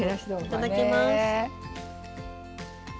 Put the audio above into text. いただきます。